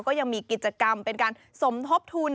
ก็ยังมีกิจกรรมเป็นการสมทบทุน